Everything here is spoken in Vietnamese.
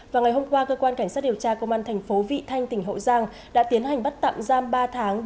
vào ngày hôm qua cơ quan cảnh sát điều tra công an thành phố vị thanh tỉnh hậu giang đã tiến hành bắt tạm giam ba tháng